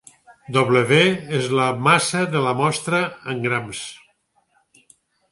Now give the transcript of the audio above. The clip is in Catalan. W és la massa de la mostra en grams.